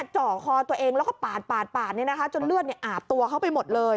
เจาะคอตัวเองแล้วก็ปาดจนเลือดอาบตัวเขาไปหมดเลย